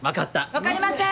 分かりません！